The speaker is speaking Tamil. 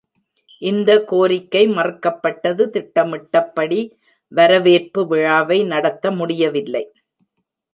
இந்த கோரிக்கை மறுக்கப்பட்டது-திட்டமிடப்பட்டி வரவேற்பு விழாவை நடத்த முடியவில்லை.